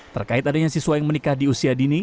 terkait adanya siswa yang menikah di usia dini